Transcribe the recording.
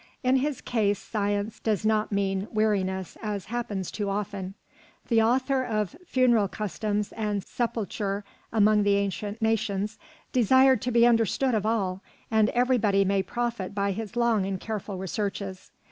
In his case science does not mean weariness, as happens too often. The author of "Funeral Customs and Sepulture among the Ancient Nations" desired to be understood of all, and everybody may profit by his long and careful researches.